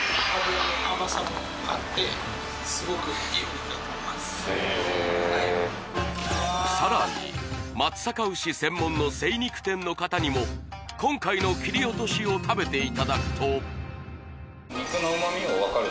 はいさらに松阪牛専門の精肉店の方にも今回の切り落としを食べていただくと肉の旨みを分かるために